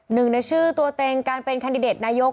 หนึ่งในชื่อตัวเต็งการเป็นแคนดิเดตนายก